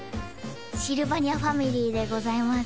シルバニアファミリーでございます